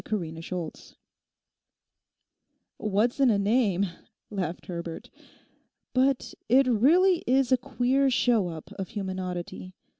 CHAPTER TWELVE 'What's in a name?' laughed Herbert. 'But it really is a queer show up of human oddity.